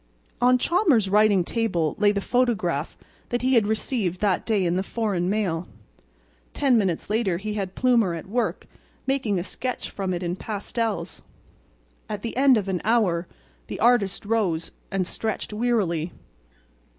On Chalmers's writing table lay the photograph that he had received that day in the foreign mail. Ten minutes later he had Plumer at work making a sketch from it in pastels. At the end of an hour the artist rose and stretched wearily.